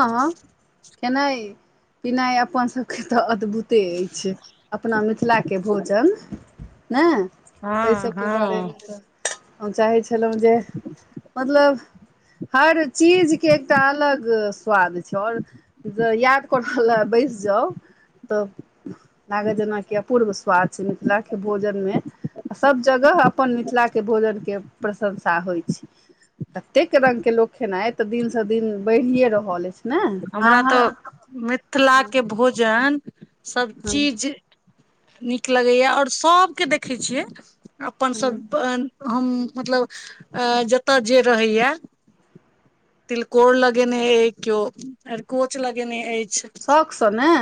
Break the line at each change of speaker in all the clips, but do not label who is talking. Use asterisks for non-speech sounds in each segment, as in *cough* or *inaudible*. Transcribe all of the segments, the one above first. हँ खेनाई पिनाई अपन सबके तऽ अद्भुत होते अछि अपना मिथिलाके भोजन ने एहि
हँ
सभके
हँ
बारेमे तऽ हम चाहै छलहुँ जे मतलब हर चीज के एकटा अलग स्वाद छ आओर जे याद करऽ लए बैस जाउ तऽ लागत जेनाकि अपूर्व स्वाद छै मिथिलाके भोजनमे आ सभ जगह अपन मिथिलाके भोजनके प्रशंसा होइत छै कतेक रङंगके के लोक खेनाई तऽ दिनसँ दिन बढ़ियए रहल अछि ने
हमरा तऽ
अहाँ
मिथिलाके भोजन
ह
सभचीज नीक लगैया आ सभके देखैत छियै अपन
ह
सभ हम मतलब जतय जे रहैया तिलकोर लगेने है केयो अरकोंच लगेने अछि
सख स ने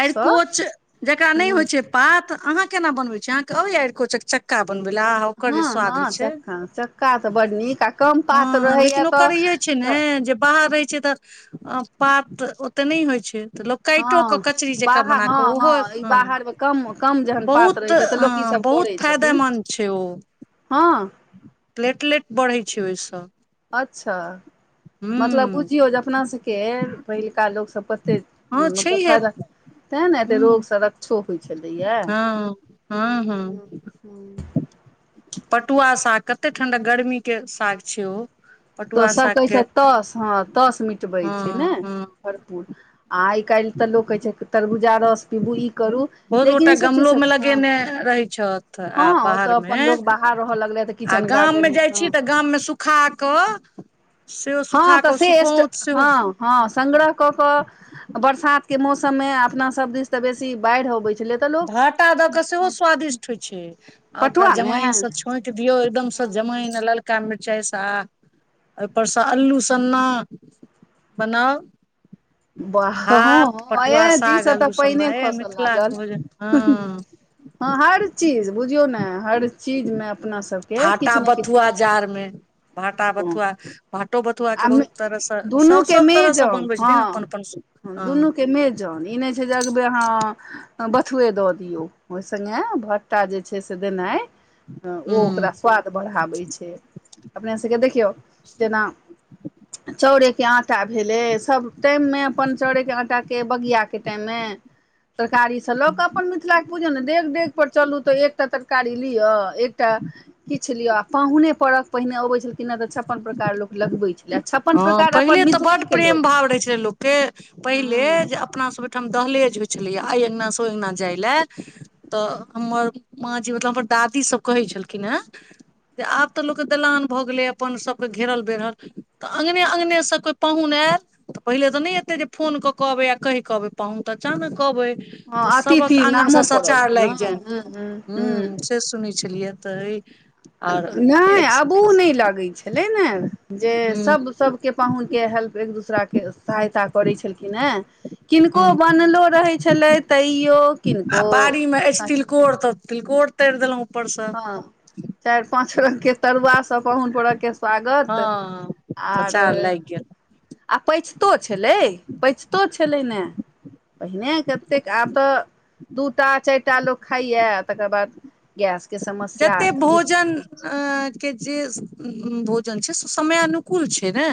आड़ कोच जकरा नहि
ह
होइ छै पात अहाँ केना बनबैत छी अहाँके अबया आड़ कोचकक क्का बनबे ल आ ओकर जे
हँ
स्वाद
हँ
होइ छै
चक्का चक्का तऽ बड नीक आ कम पात
हँ
रहैया
लेकिन ओकर ई छै ने
तऽ
जे बाहर रहै छै तऽ पात ओते नहि होइ छै त लोक काटि
हँ
कचरी जेका
बाहर
बना
हँ
क ओहो
हँ ई
ह
बाहरमे कम कम जहन पात
बहुत
रहैत छै तऽ
ह
लोक ईसभ
बहुत
करैत छथिन
फायदेमंन्द छै ओ
हँ
प्लेटलेट बढ़ैत छै ओहिसँ
अच्छा मतलब
हूँ
बुझियौ जे अपना सबके पहिलुका लोक सब कते
हँ
मतलब
छैहे
फायदा ते ने एते
हूँ
रोगसँ रक्षो होइ छै
हँ हँ हँ पटुआ साग कते ठंडा गर्मीके साग छै ओ
तो
पटुआ
सभ
साग
कहै छ
के
तस हँ तस मिटबै
हँ
छै ने
हँ
भरपूर आ आइ काल्हि तऽ लोक कहै छै तरबूजा रस पीबू ई करू लेकिन ईसभ चीज
लगे
हँ
ने रहै छ त
हँ
आ
ओ
बाहर
तऽ अपन
मे
लोक बाहर रहय लगलै तऽ
आ
किचन
गाम मे
गार्डन
जाइ
हँ
छी त गाम मे सु खा क सेहो सुखा
हँ तऽ
क
से एस्ट
सुखोत सेहो
हँ हँ संग्रह क क बरसात के मौसम मे अपना सभ दिस त बेसी बाढ़ अबै छलैत
घाटा द क सेहो स्वादिष्ट होइ छै आ ओकरा
पटुआ ने
जमाइन से छोंट दियऔ एकदम से जमाइन ललका मिरचाई सा परसँ अल्लू सन्ना बनाउ
वाह
भात
हँ
पटुआ
ए जी
साग
से तऽ
आलू सना
पानिए
हे
खसय लागल
मिथिलाके भोजन हँ
हँ हर चीज बुझियौ ने हर चीजमे अपना सबके किछु ने किछु
बुआ जाड़ मे भाटा बथुआ
आ
भाटो बथुआके बहुत तरहसँ
दुनू
सभ
के
सब तरहसँ
मेजन
बनबै छथिन अपन अपन ह
जानी नहि छै जगबै हह बथुए दऽ दियौ ओहि सङ्गे भट्टा जे छै से देनाइ ओ ओकरा
हूँ
स्वाद बढ़ाबै छै अपने सभके देखियौ जेना चोड़े के आटा भेलै सभ टाइम मे अपन चोड़े के आटा के बगआ के टाइम मे तरकारी से लऽ कऽ अपन मिथिला के पूजे ने देख डे पर चलू तऽ एकटा तरकारी लियअ एकटा किछ लियो आ पाहुने परक पहिने अबै छलखिन न तऽ छप्पन प्रकार लोक लगबै छै
हँ पहिले त बड् प्रेम भाव रहै छलै लोक के पहिले
हँ
जे अप अपना सभ ओहिठाम दहलेज होइत छलैए आइ अंगना स ओ अंगना जाए लए त हमर माँ जी मतलब हमर दादीसभ कहै छलखिन है जे आब तऽ लोकके दलान भऽ गेलै अपन सभके घेरल बेरल तऽ अङ्गने अङ्गनेसँ कोइ पाहुन आयत तऽ पहिले तऽ नहि एेतै जे फोन कऽ कहबै आ कहि कऽ अबै पाहन तऽचा ने कहबै त
हँ
सबक
अतिथि
आंगन से
नामो पड़ल
सचार
हँ
लाग जाय
हँ हँ
हूँ
हँ
से सुनै छलियै त
नहि आबो नहि लगैत छलै ने जे
हूँ
सब सब के पाहुनके हेल्प एक दोसराके सहायता करै छलखिन हेँ किनको
हूँ
बनलो रहै छलै तैयो किनको
कोर त तिलकोर तयर देलोउ उपरस
हँ चारि पाच रंग के तरुआ सब पाहुन पर के स्वागत
हँ तऽ
आरो
चार लागि गेल
आ पचितो छेलै पचितो छेलै ने पहिने कतेक आब तऽ दूटा चारि टा लोक खाइये आ तकर बाद गैसके समस्या तऽ किछु
ऐं के जे भोजन छै से समय अनुकूल छै ने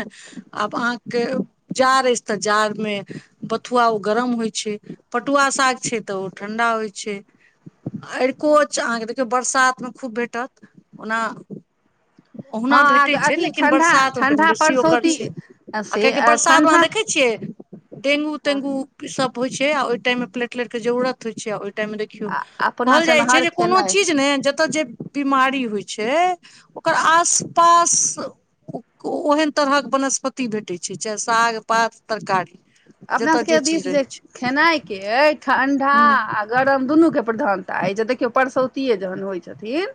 आब अहाँ के जाड़ अछि तऽ जाड़ मे बथुआ ओ गरम होइ छै पटुआ साग छै तऽ ओ ठंडा होइ छै छै आरिकोच अहाँके देखियौ बरसात मे खूब भेटत ओना
हँ
ओहुना
आ
भेटै छै
अथी
लेकिन
ठण्ढा
बरसातमे कनि
ठण्ढा
बेसी ओकर
परसौती
छै आ
से
कियकि बरसात मे अहाँ
ठण्ढा
देखै डेंगू
आ
तेंगू ई सब होइ छै आ ओहि टाइम मे प्लेलेट के जरूरत होइ छै टाइम देखियौ
अपना
कहल
सभमे
जाइ छै
हर
जे कोनो
खेनाइ
चीज ने जतय जे बीमारी होइ छै ओकर आस पास ओहन तरहक वनस्पति भेटैत छै चाहे साग पात तरकारी आ जतय
अपनासभके दिस
चीज रहै
जे
छै
खेनाइके अइ ठण्डा
हूँ
गरम दुनु के पर्धानता अय जे देखियो परसउतिये जहन होय छथिन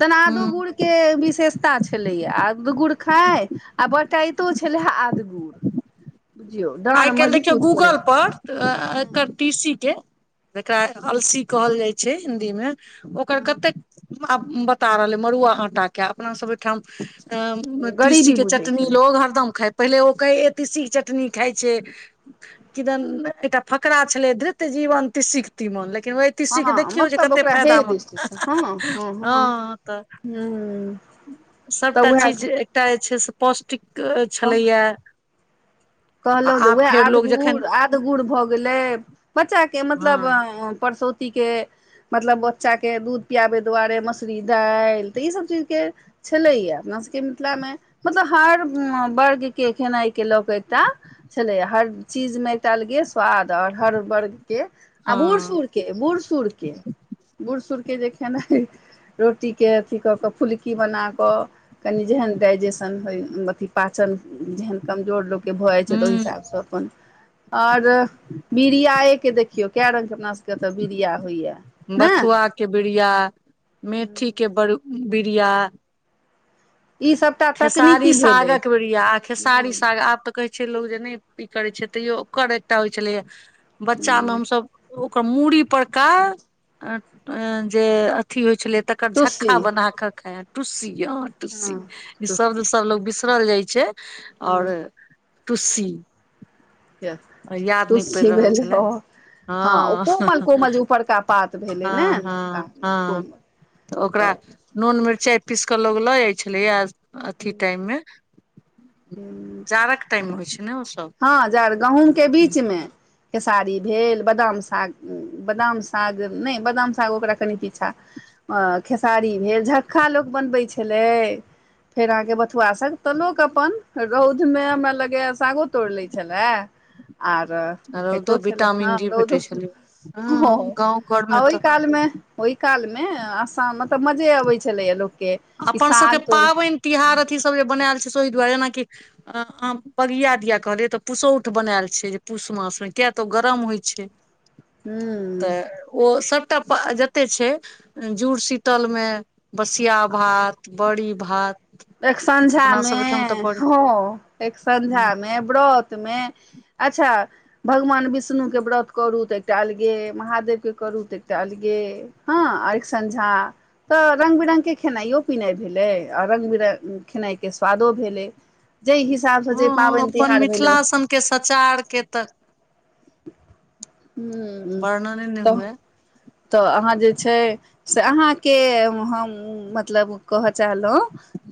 तहन आदो
हूँ
गुड़ के विशेषता छेलेये आद गुड़ खाउ आ बटाइतो छलै हे आदगुड़ बुझियौ
आइ
डांर मजगुत
काल्हि देखियौ गूगल पर एकर तीसी के जेकरा अलसी कहल जाइ छै हिन्दी मे ओकर कतेक आब बता रहलै मड़ुआ आटांके अपना सब ओहिठाम तीसी
गरीबी
के
बुझै
चटनी
छलै
लोग हरदम खाय पहिले ओ कहे तीसी के चटनी खाइ छै किदन एकटा फकरा छलै धृत जीवन तीसीके तीमन लेकिन ओहि तीसी के
हँ
देखियौ जे
मतलब
कते
ओकरा हे
फायदामे
दृष्टिसँ हँ हँ हूँ
हँ तऽ
तऽ
सभटा चीज
उएह
एकटा जे छै से पौष्टिक छलैए
कहलहुँ जे उएह
लोग जखन
आदगुड़ आदगुड़ भऽ गेलै बच्चा के
हँ
मतलब परसौती के मतलब बच्चा के दूध पियाबे दुआरे मसुरी दालि तऽ ई सभ चीज के छलैये अपना सबके मिथिलामे मतलब हर वर्ग के एखन एहिके लऽ कऽ एकटा छलै हर चीजमे एकटा अलगे स्वाद तऽ हर वर्ग के आ बूढ़
हँ
सूढ़ के बूढ़ सूढ़ के बूढ़ सूढ़के जे खेनाइ रोटीके अथि कऽ कऽ फुलकी बना कऽ कनि जेहन डाइजेशन होय अथि पाचन जेहन कमजोर लोक के भऽ जाइ छै तऽ ओहि
हूँ
हिसाबसँ अपन ओर बिड़ियाएके देखियौ कए रंगके अपना सभके एतय बीड़िया होइए ने
बथुआ के बिड़िया मेथी के बड़ बिड़िया
ई सब
खेसारी सागक बेरिया
हँ
खेसारी साग आब तऽ कहे छै लोग जे नहि ई करे छै तैयो ओकर एकटा होय छलै हे बच्चा मे
हँ
हमसब ओकर मूड़ी परका जे अथी होइ छलै तक तकर झक्का
तुलसी
बनाक खाय टुस्सी हँ
हँ
टुस्सी ई शब्द
तुलसी
सब लोग बिसरल जाय छै आओर
हँ
टुस्सी याद नहि पड़ि
तुलसी
रहल
भेलै
छलै
ओ
हँ
ओ कोमल कोमल जे ऊपरका पात भेलै ने
हँ
नवका
हँ हँ
कोमल
तऽ ओकरा नून मिरचाइ पीस कऽ लोक लऽ जाइ छलैए अथी टाइममे जाड़क
हँ
टाइममे होइ छै ने ओसभ
हँ जार गहूँंम के बीच मे खेसारी भेल बादाम साग बादाम साग नहि बादाम साग ओकरा कनी पीछा खेसारी भेल झक्का लोक बनबै छेलै फेर अहाँके बथुआ साग तऽ लोक अपन रौदमे हमरा लगै सागो तोड़ लै छलए आर खाइतो
रौदो
छलै हँ
विटामिन डी
रौ
भेटै छलै हँ गाँव घरमे
आ ओहि
तऽ
काल मे ओहि काल मे आसा मतलब मजे अबै छलैया लोक
अपन सभके पाबनि तिहार अथीसभ जे बनायल छै से ओहि दुआरे जेनाकि अं अं बगिया दिया कहले त पुसौठ बनायल छै जे पूस मास मे किया त ओ गरम होइ छै
*inaudible*
त
हूँ
ओ सब जते छै जुड़ शीतल मे बसिया भात बड़ी भात
एक संझा
अपना
मे
सब ओहिठाम तऽ बड़
ह एक संझा
हँ
मे व्रत मे अच्छा भगवान विष्णुके व्रत करू तऽ एकटा अलगे महादेवके करू तऽ एकटा अलगे हँ अ संझा तऽ रंग बिरंग के खेनाइयो पिनाइ भेले रंग बिर खेनाइके स्वादो भेलै जाहि हिसाबसँ जे
हँ
पाबनि
अपन
तिहार भेलै
मिथिला सन के सचार के तऽ
हुँ
वर्णन नहि हुए
तऽ अहाँ जे छै से अहाँके हम मतलब कहऽ चाहलहुँ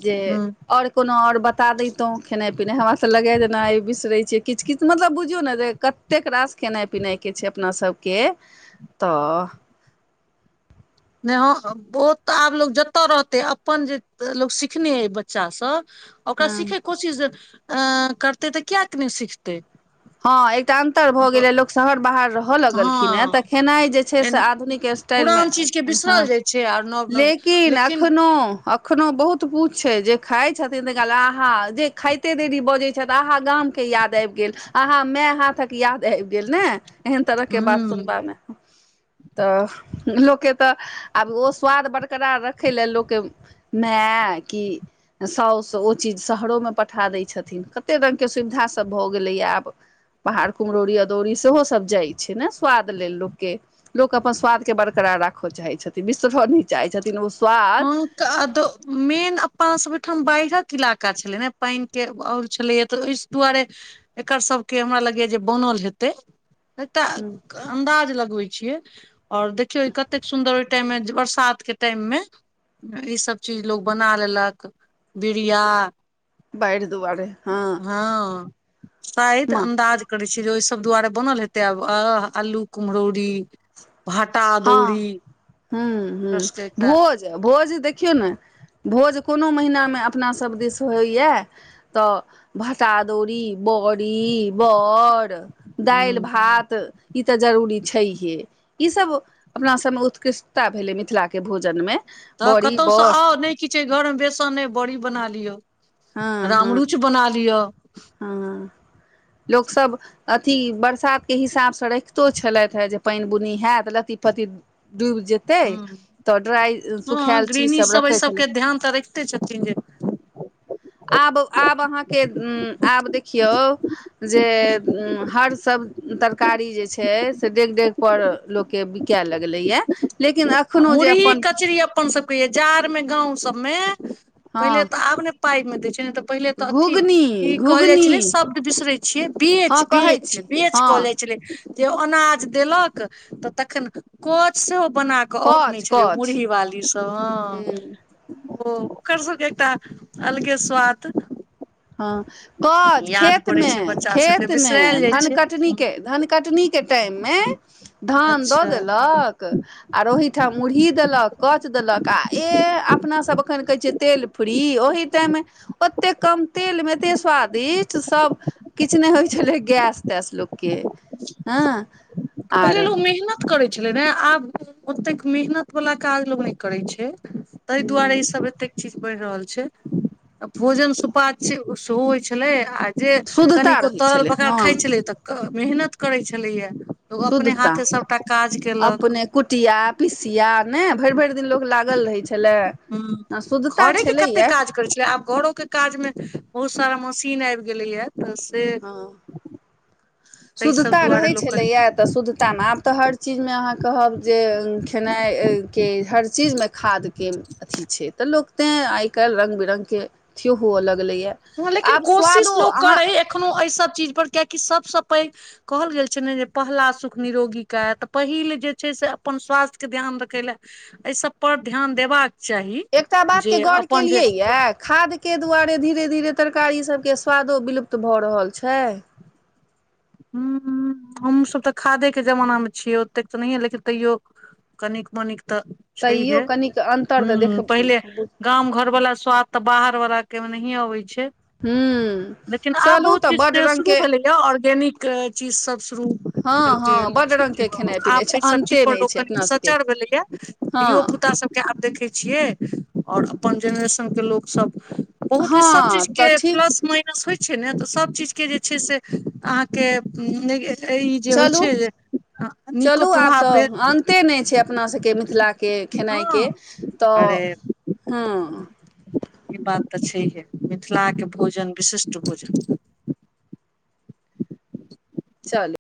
जे
हूँ
आर कोनो आओर बता दैतहुँ खेनाई पिनाई हमरास लगैए जेना बिसरै छियै किछ किछ मतलब बुझियौ ने जे कत कतेक रास खेनाइ पिनाइ के छै अपना सबके तऽ
नहि हँ बहुत त आब लोक जतय रहतै अपन जे लोक सिखने अइ बच्चासभ ओकरा
हँ
सिखैके कोशिश अ करतै तऽ किएक नहि सिखतै
हँ एकटा अन्तर भऽ गेलै लोक शहर बाहर रहऽ लगलखिन हेँ तऽ
हँ
खेनाइ जे छै से आधुनिक
पुरान चीजके बिसरल जाइ छै आर नव नव
लेकिन अखनो अखनो बहुत पूछ छै जे खाय छथिन त आहा जे खाइते देरी बजै छै तऽ अहाँ गामके याद आबि गेल आहा मैं हाथक याद आबि गेल ने एहन तरह के बात
हूँ
सुनबा मे तऽ लोककेँ तऽ आब ओ स्वाद बरकरार रखय लेलए लोकके माअ कि साउस ओ चीज शहरोमे पठा दैत छथिन कते रङ्गके सुविधासभ भऽ गेलैए आब पहाड़ कुम्हरौरी अदौरी सेहो सभ जाइत छै ने स्वाद लेल लोकके लोक अपन स्वादके बरकरार राखय चाहैत छथिन बिसरय नहि चाहैत छथिन ओ स्वाद
हँ कादो मेन अप सब ओहिठाम बाढ़िक इलाका छलै ने पानिक के आओर छलैया तऽ ओहि दुआरे एकर सबके हमरा लगैय जे बनल हेतै एकटा अन्दाज लगबै छियै और देखियौ कतेक सुन्दर टाइम मे बरसात के टाइम में ईसभ चीज लोग बना लेलक बीड़िया
बाइर दुआरे हँ
हँ शायद अन्दाज करै छै जे ओहि सब दुआरे बनल हेतै आब अ आलू कुम्रौरी भात
हँ हुँ हुँ
सबके एकटा
भोज भोज देखियौ ने भोज कोनो महिनामे अपनासभ दिस होइए तऽ भांटा अदौरी बड़ी बड़ दालि
हूँ
भात ई तऽ जरूरी छैहे ईसभ अपना सब मे उत्कृष्टता भेले मिथिला के भोजन मे
तऽ कतहुसँ आउ नहि किछु अ घरमे बेसन नहि बड़ी बना लियौ
हँ हँ हँ लोक सब अथी बरसातके हिसाबसँ राखितो छलथि हेँ जे पानि बुनी हयत लत्ती पत्ती डुबि जेतै
हूँ
तऽ ड्राइ
हँ
सुखायल
गृहणी
चीजसभ
सब एहि
रखैत छलै
सबके ध्यान तऽ रखि तेँ छथिन जे
आब आब अहाँके आब देखियौ जे हर सब तरकारी जे छै से डेग डेग पर लोकके बिकाय लगलै या लेकिन
आ
एखनो जे
मुरही
अपन
कचरी अपन सभके य जाड़मे गाँव सबमे पहिले
हँ
तऽ आब ने पाइमे देै छै नै तऽ पहिले तऽ अथी
घुघनी
ई कहल जाइ छलै
घुघनी
शब्द बिसरै छियै बेच
हँ कहै
बेच
छी
बेच
हँ
कहल जाइ छलै जे अनाज देलक तऽ तखन कोच सेहो बना कऽ ग अनै
कछ
छेलै
कछ
मुरही बाली सब हँ
हूँ
ओ ओकर सबके एकटा अलगे स्वाद
हँ कच
याद
खेत
पड़ै
मे
छै बच्चा सबके
खेत मे
बिसरायल जाइ
धन
छै
कटनी के धन कटनी के टाइम मे धान दऽ
अच्छा
देलक आर ओहि ठाम मुरही देलक कच देलक आ ऐं अपना सब एखन कहै छियै तेल फ्री ओहि टाइम ओते कम तेल मे एते स्वादिष्ट सब किछ नहि होइ छलै गैस तैस लोकके हँ
पहिले
आर
लोक मेहनत करै छलै ने आब ओतेक मेहनत वला काज लोक नहि करैत छै ताहि दुआरे ईसभ एतेक चीज बढ़ि रहल छै भोजन सुपाच्य सेहो होइत छलै आ जे
शुद्धता
कनिको
रहै
तरल
छलै
पका कऽ
हँ
खाय छलै तऽ मेहनत करै छलैये लोक अपने
शुद्धता
हाथे सभटा काज केलक
अपने कुटिया पिसिया ने भरि भरि दिन लोग लागल रहै छलै शुद्धता छलैया
करे छेले आब घरो के काजमे बहुत सारा मशीन आबि गेलैये तऽ से
हँ
तहि सब
शुद्धता
दुआरे
रहैत
लोकके
छलैए तऽ शुद्धतामे आब तऽ हर चीजमे अहाँ कहब जे खेनाइके हर चीजमे खादके अथी छै तऽ लोक तेँ आइ काल्हि रंग बिरंग के अथीयो हुअ लगलैए
हँ लेकिन
आब
कोशिश
स्वादो
लोक
अहाँ
करै एखनो एहि सब चीज पर कियकि सबसँ पैघ कहल गेल छै ने जे पहला सुख निरोगी कायि तऽ पहिल जे छै से अपन स्वास्थ्यके ध्यान रखय लए एहि सब पर ध्यान देबाक चाही
एकटा बात के
जे
गौर
अपन जे
केलियै या खाद के दुआरे धीरे धीरे तरकारी सभके स्वादो विलुप्त भऽ रहल छै
हँ हमसभ तऽ खादेके जमानामे छियै ओतेक तऽ नहिये लेकिन तैयो कनिक मनिक तऽ छैहे
तैयो कनिक अन्तर तऽ देख
हूंम्म पहिले
हूँ
गाम घर वाला स्वाद तऽ बाहर वलाा के मे नहिये अबै छै लेकिन आब
चलू
बहुत किछु
बड्ड
तऽ शुरू
रङ्गके
भेलैए ऑर्गेनिक चीजसभ शुरू
हँ
कहलकै
बड्ड रङ्गके
हँ
खेनाइ
आब
पिनाइ छै
एहिसभ चीज
अन्ते
पर
नहि
लोक
छै
कनि
अपना सभके
सचर भेलैए धियो
हँ
पुता सब आब देखै छियै आओर अपन जेनरेशन के लोक सब बहुत किछ सब
हँ
चीज
तऽ
के
ठीक
प्लस माइ नस होइ छै ने तऽ सब चीज के जे छै से अहाँके ई जे होइ
चलू
छै जे नीको प्रभाव भेल
ओतेक नहि छै अपना सबके मिथिलाके खेनाइके
हँ
तऽ
अरे
हँ
ई बात तऽ छैहे मिथिलाके भोजन विशिष्ट भोजन
चलु